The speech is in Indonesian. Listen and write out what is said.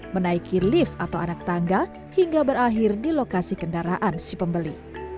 menaiki lift atau anak tangga hingga berakhir di lokasi kendaraan si pembeli